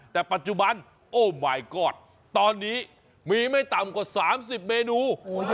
แต่ปัจจุบันโอ้หมายกอดตอนนี้มีไม่ต่ำกว่า๓๐เมนู